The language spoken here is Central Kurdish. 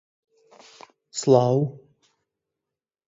بەرز و ڕند و ڵێوئاڵێ دەرد و دەرمانم خەزاڵێ